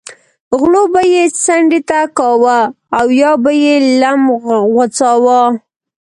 غلو به یې څنډې ته کاوه او یا به یې لم غوڅاوه.